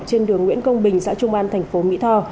trên đường nguyễn công bình xã trung an thành phố mỹ tho